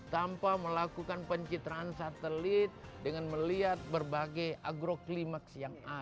tanpa melakukan pencitraan satelit dengan melihat berbagai agroclimaks yang ada